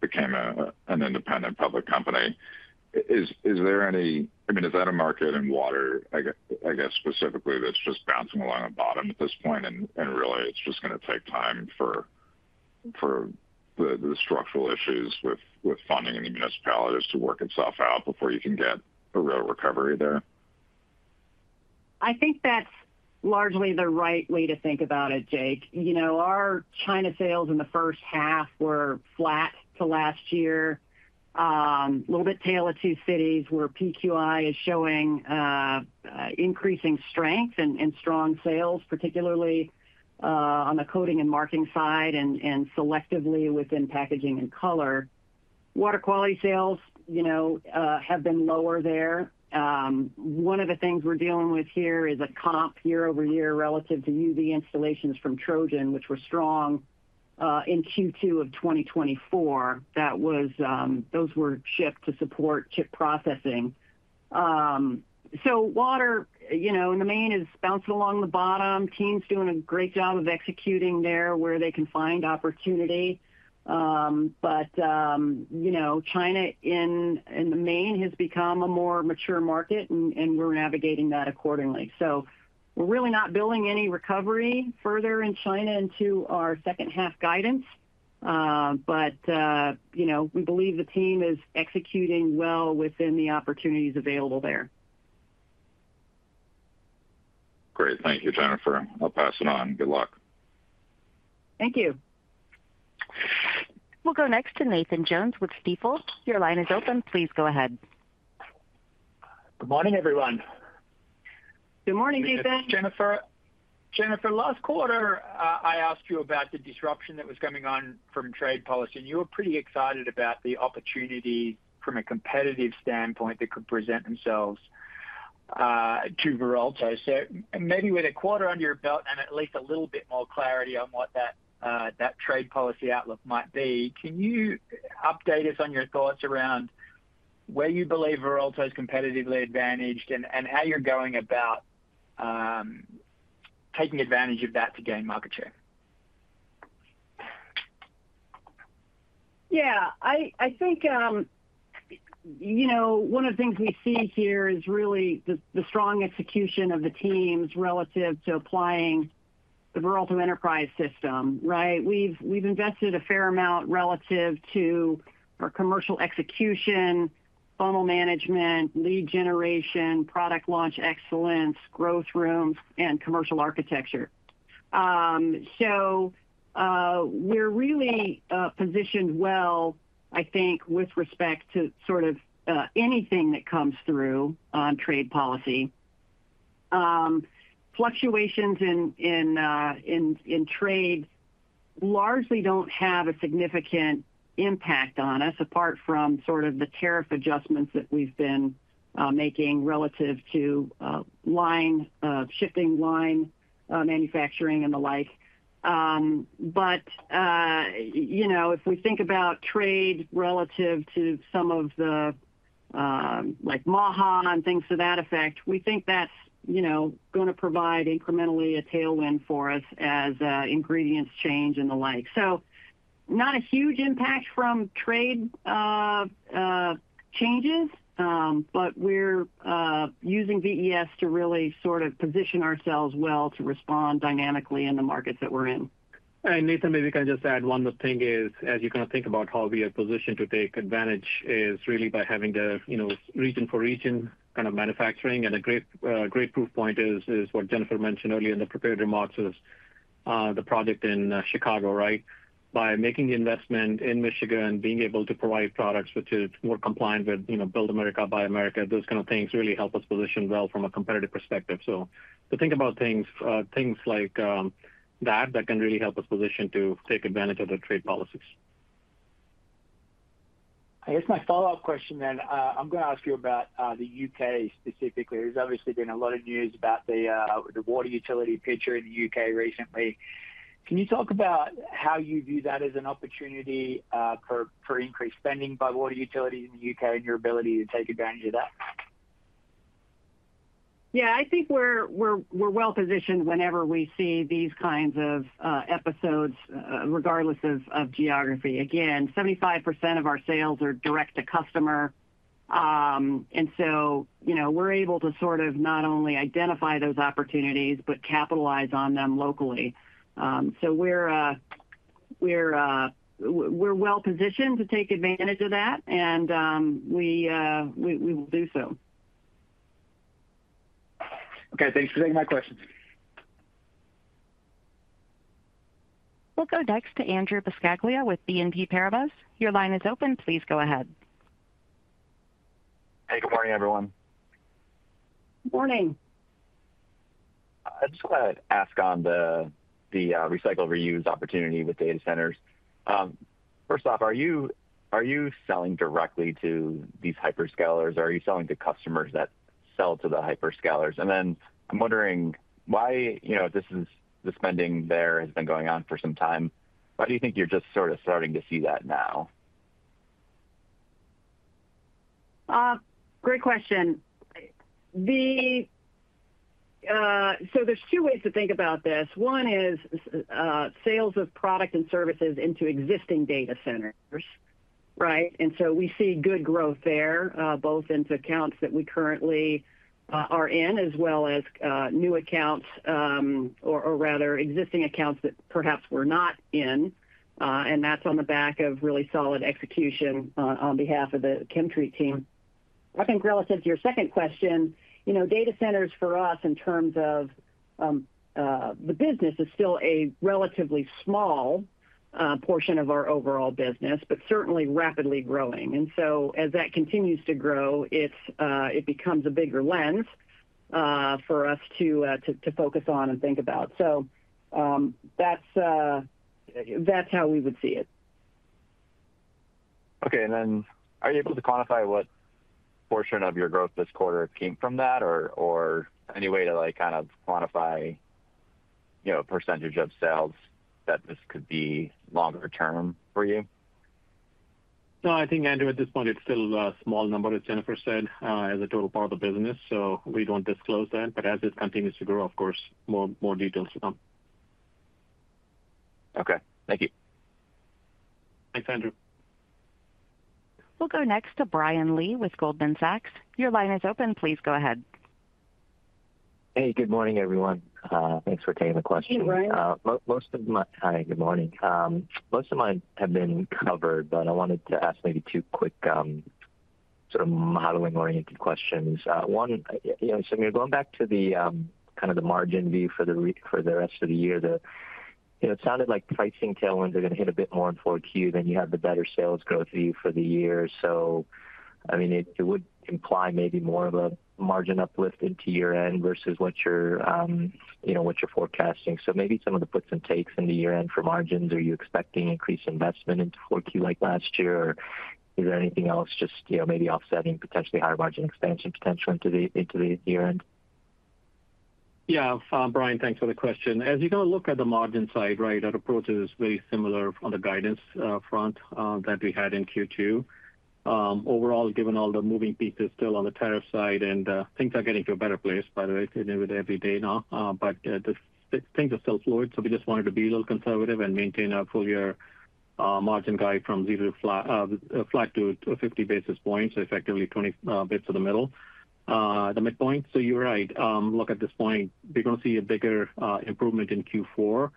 Speaker 9: became an independent public company. Is there any—I mean, is that a market in water, I guess, specifically that is just bouncing along the bottom at this point? Really, it is just going to take time for the structural issues with funding and the municipalities to work itself out before you can get a real recovery there?
Speaker 3: I think that is largely the right way to think about it, Jake. Our China sales in the first half were flat to last year. A little bit tailored to cities where PQI is showing increasing strength and strong sales, particularly on the coating and marking side and selectively within packaging and color. Water quality sales have been lower there. One of the things we are dealing with here is a comp year over year relative to UV installations from Trojan, which were strong in Q2 of 2024. Those were shipped to support chip processing. Water, in the main, is bouncing along the bottom. Teams doing a great job of executing there where they can find opportunity. China in the main has become a more mature market, and we are navigating that accordingly. We are really not building any recovery further in China into our second-half guidance. We believe the team is executing well within the opportunities available there.
Speaker 9: Great. Thank you, Jennifer. I'll pass it on. Good luck.
Speaker 3: Thank you.
Speaker 1: We'll go next to Nathan Jones with Stifel. Your line is open. Please go ahead.
Speaker 10: Good morning, everyone.
Speaker 3: Good morning, Nathan.
Speaker 10: Jennifer, last quarter, I asked you about the disruption that was coming on from trade policy. And you were pretty excited about the opportunity from a competitive standpoint that could present themselves to Veralto. So maybe with a quarter under your belt and at least a little bit more clarity on what that trade policy outlook might be, can you update us on your thoughts around where you believe Veralto is competitively advantaged and how you're going about taking advantage of that to gain market share?
Speaker 3: Yeah. I think one of the things we see here is really the strong execution of the teams relative to applying the Veralto Enterprise System, right? We've invested a fair amount relative to our commercial execution, funnel management, lead generation, product launch excellence, growth rooms, and commercial architecture. We're really positioned well, I think, with respect to sort of anything that comes through on trade policy. Fluctuations in trade largely do not have a significant impact on us apart from sort of the tariff adjustments that we've been making relative to shifting line manufacturing and the like. If we think about trade relative to some of the, like MAGA and things to that effect, we think that's going to provide incrementally a tailwind for us as ingredients change and the like. Not a huge impact from trade changes, but we're using VES to really sort of position ourselves well to respond dynamically in the markets that we're in.
Speaker 4: Nathan, maybe I can just add one more thing is, as you kind of think about how we are positioned to take advantage, is really by having the region-for-region kind of manufacturing. A great proof point is what Jennifer mentioned earlier in the prepared remarks was the project in Chicago, right? By making the investment in Michigan and being able to provide products which are more compliant with Build America, Buy America, those kind of things really help us position well from a competitive perspective. To think about things like that that can really help us position to take advantage of the trade policies.
Speaker 10: I guess my follow-up question then, I'm going to ask you about the U.K. specifically. There's obviously been a lot of news about the water utility picture in the U.K. recently. Can you talk about how you view that as an opportunity for increased spending by water utilities in the U.K. and your ability to take advantage of that?
Speaker 3: Yeah. I think we're well positioned whenever we see these kinds of episodes, regardless of geography. Again, 75% of our sales are direct-to-customer. And so we're able to sort of not only identify those opportunities but capitalize on them locally. We're well positioned to take advantage of that, and we will do so.
Speaker 10: Okay. Thanks for taking my questions.
Speaker 1: We'll go next to Andrew Buscaglia with BNP Paribas. Your line is open. Please go ahead.
Speaker 11: Hey. Good morning, everyone.
Speaker 3: Good morning.
Speaker 11: I just want to ask on the recycle-to-reuse opportunity with data centers. First off, are you selling directly to these hyperscalers? Are you selling to customers that sell to the hyperscalers? I'm wondering why this is, the spending there has been going on for some time. Why do you think you're just sort of starting to see that now?
Speaker 3: Great question. There are two ways to think about this. One is sales of product and services into existing data centers, right? We see good growth there, both into accounts that we currently are in as well as new accounts, or rather existing accounts that perhaps we're not in. That's on the back of really solid execution on behalf of the ChemTreat team. I think relative to your second question, data centers for us in terms of the business is still a relatively small portion of our overall business, but certainly rapidly growing. As that continues to grow, it becomes a bigger lens for us to focus on and think about. That's how we would see it.
Speaker 11: Okay. Are you able to quantify what portion of your growth this quarter came from that, or any way to kind of quantify a percentage of sales that this could be longer-term for you?
Speaker 4: No, I think, Andrew, at this point, it's still a small number, as Jennifer said, as a total part of the business. We don't disclose that. As this continues to grow, of course, more details will come.
Speaker 11: Okay. Thank you.
Speaker 4: Thanks, Andrew.
Speaker 1: We'll go next to Brian Lee with Goldman Sachs. Your line is open. Please go ahead.
Speaker 12: Hey. Good morning, everyone. Thanks for taking the question.
Speaker 3: Hey, Brian.
Speaker 12: Hi. Good morning. Most of mine have been covered, but I wanted to ask maybe two quick sort of modeling-oriented questions. One, so going back to kind of the margin view for the rest of the year, it sounded like pricing tailwinds are going to hit a bit more in Q4 than you have the better sales growth view for the year. I mean, it would imply maybe more of a margin uplift into year-end versus what you are forecasting. Maybe some of the puts and takes in the year-end for margins, are you expecting increased investment into Q4 like last year, or is there anything else just maybe offsetting potentially higher margin expansion potential into the year-end?
Speaker 4: Yeah. Brian, thanks for the question. As you kind of look at the margin side, right, our approach is very similar on the guidance front that we had in Q2. Overall, given all the moving pieces still on the tariff side, and things are getting to a better place, by the way, every day now. Things are still fluid. We just wanted to be a little conservative and maintain our full-year margin guide from flat to 50 basis points, effectively 20 basis points at the midpoint. You are right. At this point, we are going to see a bigger improvement in Q4.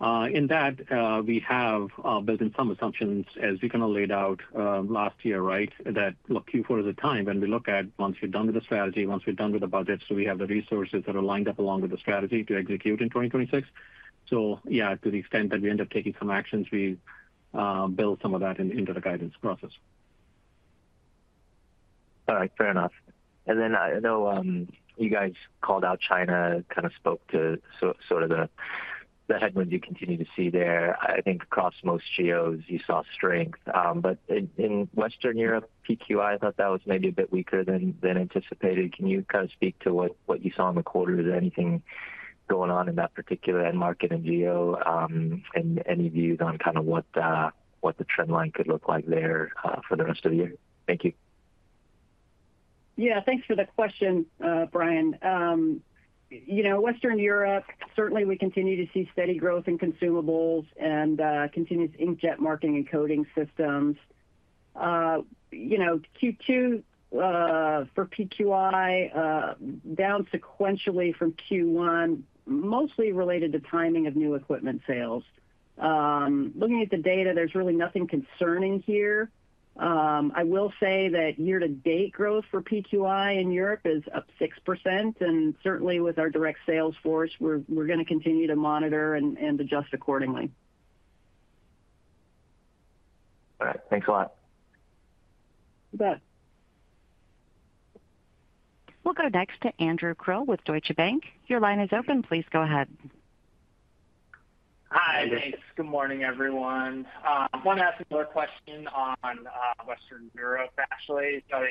Speaker 4: In that, we have built in some assumptions, as we kind of laid out last year, right, that Q4 is a time when we look at once we are done with the strategy, once we are done with the budgets, we have the resources that are lined up along with the strategy to execute in 2026. To the extent that we end up taking some actions, we build some of that into the guidance process.
Speaker 12: All right. Fair enough. I know you guys called out China, kind of spoke to sort of the headwinds you continue to see there. I think across most GOs, you saw strength. In Western Europe, PQI, I thought that was maybe a bit weaker than anticipated. Can you kind of speak to what you saw in the quarter? Is there anything going on in that particular end market and GO? Any views on kind of what the trend line could look like there for the rest of the year? Thank you.
Speaker 3: Yeah. Thanks for the question, Brian. Western Europe, certainly we continue to see steady growth in consumables and continuous inkjet marking and coding systems. Q2 for PQI was down sequentially from Q1, mostly related to timing of new equipment sales. Looking at the data, there is really nothing concerning here. I will say that year-to-date growth for PQI in Europe is up 6%. Certainly with our direct sales force, we are going to continue to monitor and adjust accordingly.
Speaker 12: All right. Thanks a lot.
Speaker 3: You bet.
Speaker 1: We'll go next to Andrew Krill with Deutsche Bank. Your line is open. Please go ahead.
Speaker 13: Hi, thanks. Good morning, everyone. I want to ask a question on Western Europe, actually. I mean,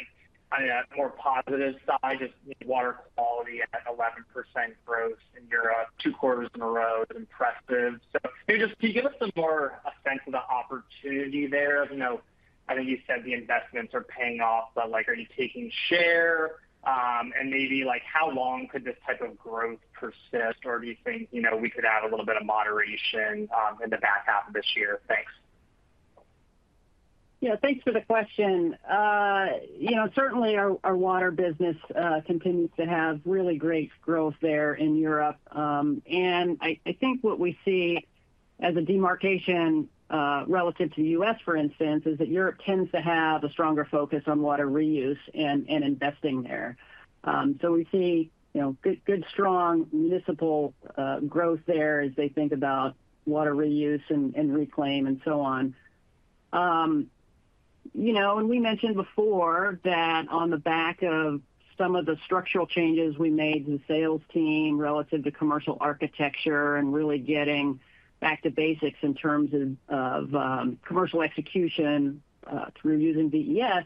Speaker 13: on a more positive side, just water quality at 11% growth in Europe, two quarters in a row, is impressive. So maybe just can you give us some more sense of the opportunity there? I know you said the investments are paying off, but are you taking share? And maybe how long could this type of growth persist, or do you think we could add a little bit of moderation in the back half of this year? Thanks.
Speaker 3: Yeah. Thanks for the question. Certainly, our water business continues to have really great growth there in Europe. I think what we see as a demarcation relative to the U.S., for instance, is that Europe tends to have a stronger focus on water reuse and investing there. We see good, strong municipal growth there as they think about water reuse and reclaim and so on. We mentioned before that on the back of some of the structural changes we made to the sales team relative to commercial architecture and really getting back to basics in terms of commercial execution through using VES,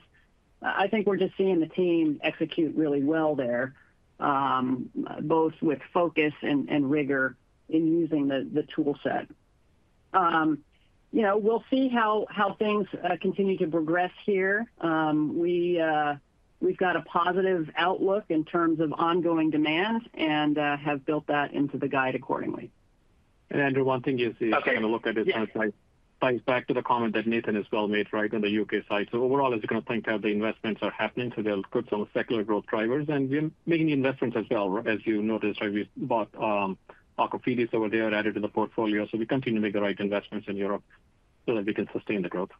Speaker 3: I think we're just seeing the team execute really well there, both with focus and rigor in using the toolset. We'll see how things continue to progress here. We've got a positive outlook in terms of ongoing demand and have built that into the guide accordingly.
Speaker 4: Andrew, one thing is, if you want to look at it, it ties back to the comment that Nathan has well made, right, on the U.K. side. Overall, as you kind of think that the investments are happening, they're good on the secular growth drivers. We're making investments as well, as you noticed, right? We bought AquaFides over there, added to the portfolio. We continue to make the right investments in Europe so that we can sustain the growth.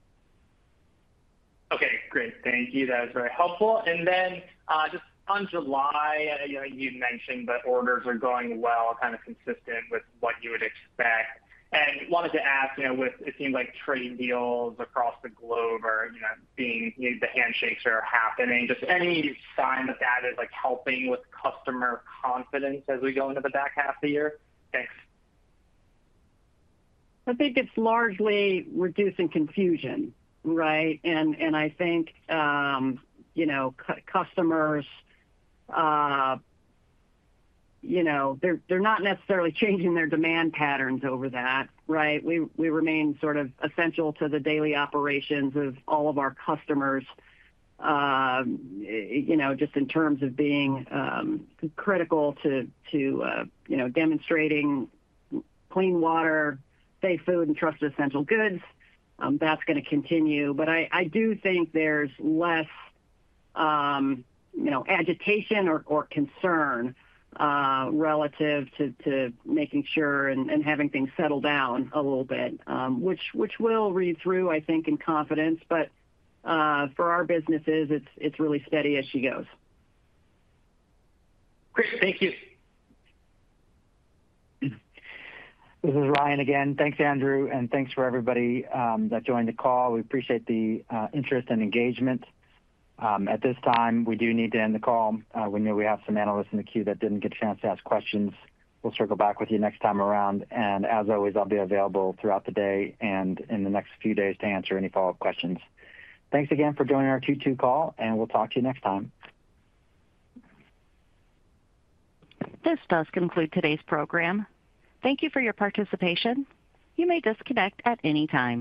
Speaker 13: Okay. Great. Thank you. That is very helpful. And then just on July, you mentioned that orders are going well, kind of consistent with what you would expect. Wanted to ask, with, it seems like trade deals across the globe or the handshakes are happening, just any sign that that is helping with customer confidence as we go into the back half of the year? Thanks.
Speaker 3: I think it's largely reducing confusion, right? I think customers, they're not necessarily changing their demand patterns over that, right? We remain sort of essential to the daily operations of all of our customers. Just in terms of being critical to demonstrating clean water, safe food, and trusted essential goods, that's going to continue. I do think there's less agitation or concern relative to making sure and having things settle down a little bit, which will read through, I think, in confidence. For our businesses, it's really steady as she goes.
Speaker 13: Great. Thank you.
Speaker 2: This is Ryan again. Thanks, Andrew. Thanks for everybody that joined the call. We appreciate the interest and engagement. At this time, we do need to end the call. We know we have some analysts in the queue that did not get a chance to ask questions. We'll circle back with you next time around. As always, I'll be available throughout the day and in the next few days to answer any follow-up questions. Thanks again for joining our Q2 call, and we'll talk to you next time.
Speaker 1: This does conclude today's program. Thank you for your participation. You may disconnect at any time.